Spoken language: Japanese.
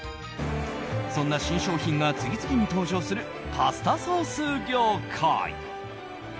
そんな新商品が次々に登場するパスタソース業界。